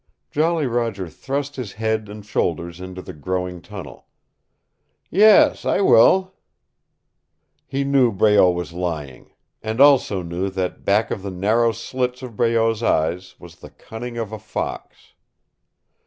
Jolly Roger thrust his head and shoulders into the growing tunnel. "Yes, I will." He knew Breault was lying. And also knew that back of the narrow slits of Breault's eyes was the cunning of a fox.